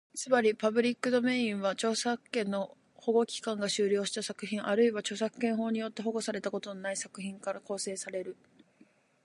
つまり、パブリックドメインは、著作権の保護期間が終了した作品、あるいは著作権法によって保護されたことのない作品から構成される。